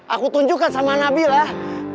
aku tunjukkan sama nabilah